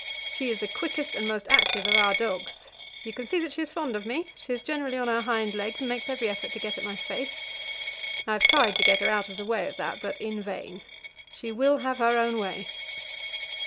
She is the quickest and most active of our dogs. You can see that she is fond of me; she is generally on her hind legs, and makes every effort to get at my face. I have tried to get her out of the way of that, but in vain; she will have her own way.